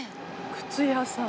靴屋さん。